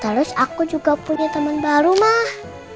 terus aku juga punya teman baru mah